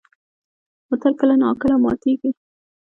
بوتل کله نا کله ماتېږي.